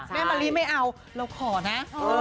แม่มะลิไม่เอาเราขอนะ